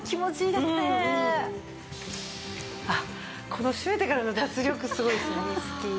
このしめてからの脱力すごい好き。